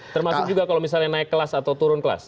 termasuk juga kalau misalnya naik kelas atau turun kelas